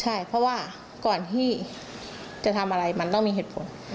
ใช่เพราะว่าก่อนที่จะทำอะไรมันต้องมีเหตุผล